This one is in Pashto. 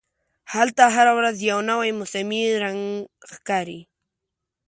هلته هره ورځ یو نوی موسمي رنګ ښکاري.